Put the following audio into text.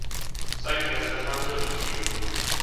سەگی بەستەزمان زۆر برسی بوو